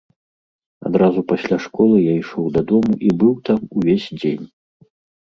Адразу пасля школы я ішоў дадому і быў там увесь дзень.